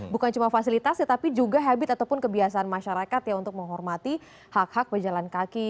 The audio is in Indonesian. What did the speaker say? bukan cuma fasilitas ya tapi juga habit ataupun kebiasaan masyarakat ya untuk menghormati hak hak pejalan kaki